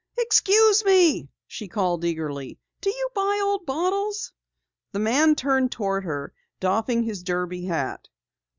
"Excuse me," she called eagerly, "do you buy old bottles?" The man turned toward her, doffing his derby hat.